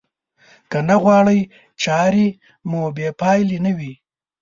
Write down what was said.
که نه غواړئ چارې مو بې پايلې نه وي.